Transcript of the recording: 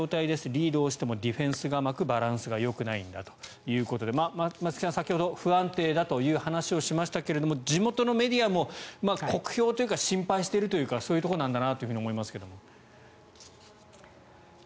リードをしてもディフェンスが甘くバランスがよくないんだということで松木さん、先ほど不安定だという話をしましたけれど地元のメディアも酷評というか心配しているというかそういうところなんだと思いますが。